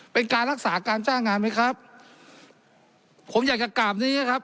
เป็นการรักษาการจ้างงานไหมครับผมอยากจะกราบนี้นะครับ